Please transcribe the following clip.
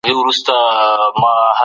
ازمایښتي څېړنه نوي حقایق رابرسېره کوي.